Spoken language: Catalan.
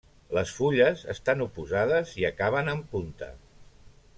Les fulles estan oposades i acaben en punta.